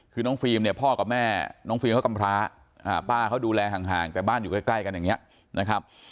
คือน้องฟิล์มเนี่ยพ่อกับแม่น้องฟิล์มเขากำพร้าป้าเขาดูแลห่างแต่บ้านอยู่ใกล้กันอย่างนี้นะครับ